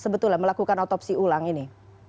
betul lah melakukan otopsi ulang ini